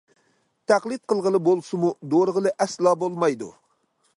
تەقلىد قىلغىلى بولسىمۇ دورىغىلى ئەسلا بولمايدۇ.